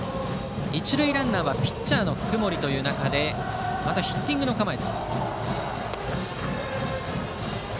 一塁ランナーはピッチャーの福盛という中でヒッティングの構え。